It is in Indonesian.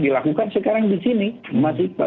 dilakukan sekarang di sini masih